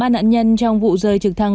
ba nạn nhân trong vụ rơi trực thăng